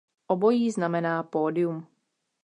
Obojí znamená "pódium".